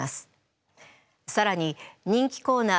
更に人気コーナー